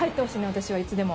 私はいつでも。